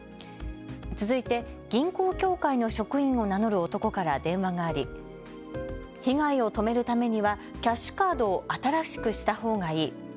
続いて銀行協会の職員を名乗る男から電話があり被害を止めるためにはキャッシュカードを新しくしたほうがいい。